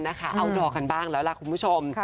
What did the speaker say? อัลดอาร์คันบ้างแล้วลากคุณผู้ชม